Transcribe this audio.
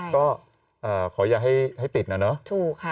ก็เอ่อขออย่าให้ให้ติดนะเนอะถูกค่ะ